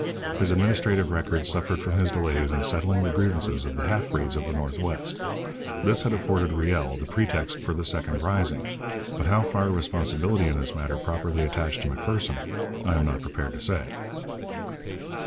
His administrative record suffered from his delays in settling the grievances of the half breeds of the North West. This had afforded Riel the pretext for the second rising, but how far responsibility in this matter properly attached to Macpherson, I am not prepared to say.